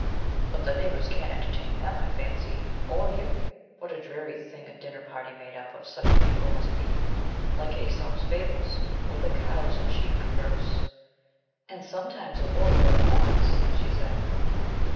'But the neighbours can't entertain them, I fancy, or you. What a dreary thing a dinner party made up of such people must be like "Aesop's Fables," where the cows and sheep converse.' 'And sometimes a wolf or a fox,' she said.